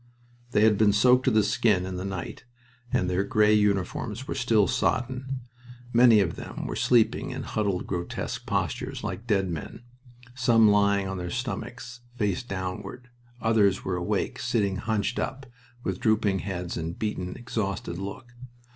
They had been soaked to the skin in the night and their gray uniforms were still soddened. Many of them were sleeping, in huddled, grotesque postures, like dead men, some lying on their stomachs, face downward. Others were awake, sitting hunched up, with drooping heads and a beaten, exhausted look.